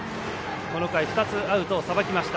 この回２つアウトをさばきました。